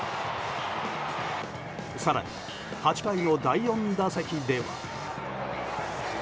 更に８回の第４打席では。